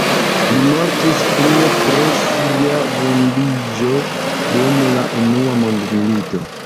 Li mortis frue pro sia vundiĝo dum la unua mondmilito.